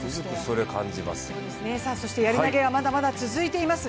やり投はまだまだ続いています。